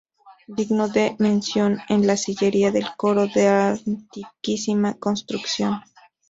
Digno de mención es la sillería del coro, de antiquísima construcción.